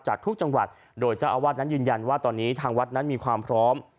จากทุกจังหวัดโดยเจ้าอาวาสนั้นยืนยันว่าตอนนี้ทางวัดนั้นมีความพร้อม